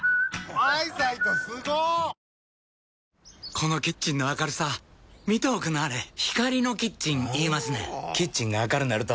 このキッチンの明るさ見ておくんなはれ光のキッチン言いますねんほぉキッチンが明るなると・・・